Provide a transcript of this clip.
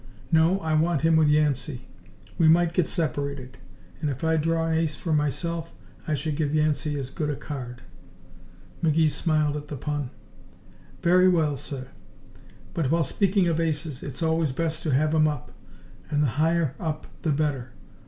"No, I want him with Yancey. We might get separated, and if I draw an ace for myself, I should give Yancey as good a card." McGee smiled at the pun. "Very well, sir, but while speaking of aces, it's always best to have 'em up. And the higher up the better.